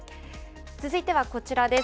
続いてはこちらです。